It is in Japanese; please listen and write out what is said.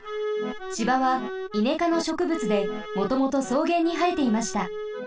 芝はイネかのしょくぶつでもともとそうげんにはえていました。